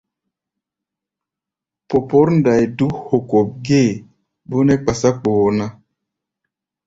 Popǒr ndai dúk hokop gée, bó nɛ́ kpásá kpoo ná.